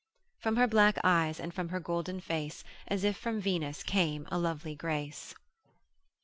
From her black eyes, and from her golden face As if from Venus came a lovely grace.